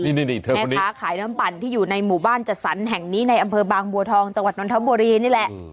นี่แม่ค้าขายน้ำปั่นที่อยู่ในหมู่บ้านจัดสรรแห่งนี้ในอำเภอบางบัวทองจังหวัดนทบุรีนี่แหละ